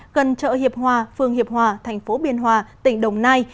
gần chợ hiệp hòa phường hiệp hòa thành phố biên hòa tỉnh đồng nai